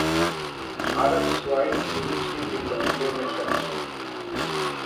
Bharat swine flu से निपटने में सक्षम